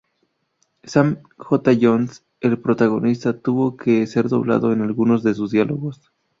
Sam J. Jones, el protagonista, tuvo que ser doblado en algunos de sus diálogos.